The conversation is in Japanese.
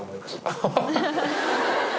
ハハハ！